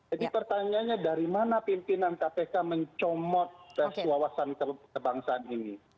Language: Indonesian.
jadi pertanyaannya dari mana pimpinan kpk mencomot tes wawasan kebangsaan ini